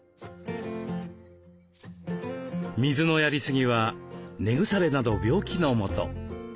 水のやりすぎは根腐れなど病気のもと。